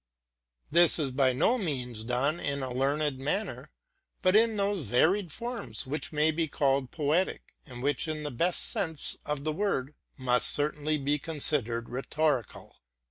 This is by no means done in a learned manner, but in those varied forms which may be called poetic, and which, in the best 176 TRUTH AND FICTION sense of the word, must certainly be considered rhetorical.